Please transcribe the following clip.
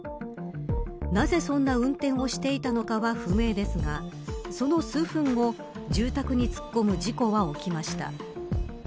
なぜそんな運転をしていたのかは不明ですがその数分後住宅に突っ込む事故は起きました。